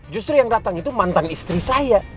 justru yang datang itu mantan istri saya